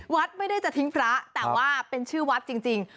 วัดไม่ได้จะทิ้งพระแต่ว่าเป็นชื่อวัดจริง